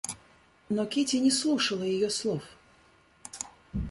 Но Кити не слушала ее слов.